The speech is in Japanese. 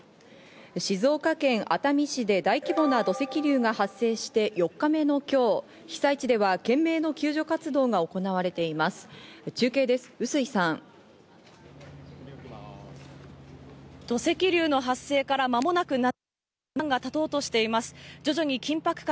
静岡県熱海市で大規模な土石流が発生して４日目の今日、被災地では懸命の救助活動が行われています。